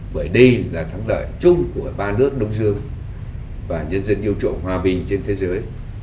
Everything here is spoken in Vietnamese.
bởi đây là thắng lợi chung của ba nước đông dương và nhân dân yêu chuộng hòa bình trên thế giới